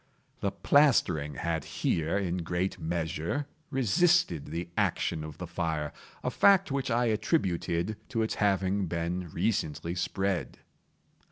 The plastering had here, in great measure, resisted the action of the fire—a fact which I attributed to its having been recently spread.